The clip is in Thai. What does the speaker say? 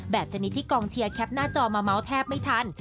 ชนิดที่กองเชียร์แคปหน้าจอมาเมาส์แทบไม่ทัน